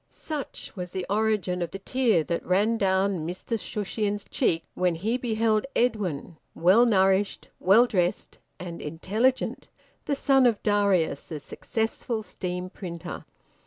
Such was the origin of the tear that ran down Mr Shushions's cheek when he beheld Edwin, well nourished, well dressed and intelligent, the son of Darius the successful steam printer.